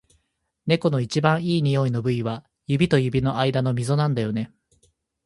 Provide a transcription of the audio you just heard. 猫の一番いい匂いの部位は、指と指の間のみぞなんだよね。